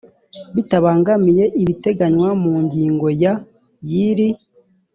bitabangamiye ibiteganywa mu ngingo ya y iri